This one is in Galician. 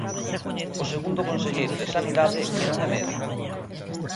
O segundo conselleiro de Sanidade que non é médico.